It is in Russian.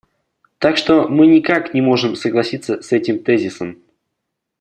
Так что мы никак не можем согласиться с этим тезисом.